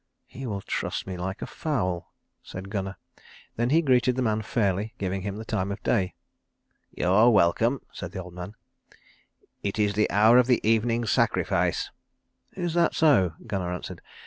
"He will truss me like a fowl," said Gunnar; then he greeted the man fairly, giving him the time of day. "You are welcome," said the old man. "It is the hour of the evening sacrifice." "Is that so?" Gunnar answered.